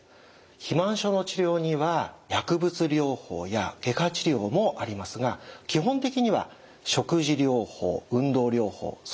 肥満症の治療には薬物療法や外科治療もありますが基本的には食事療法運動療法そして行動療法が中心になるんです。